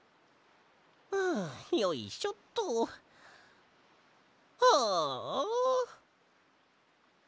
はあよいしょっと。はああ。